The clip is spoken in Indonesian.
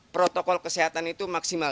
protokol kesehatan itu maksimal